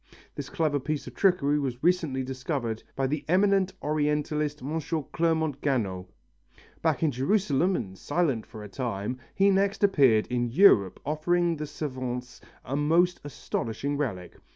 This clever piece of trickery was recently discovered by the eminent Orientalist M. Clermont Ganneau. Back in Jerusalem and silent for a time, he next appeared in Europe offering the savants a most astonishing relic.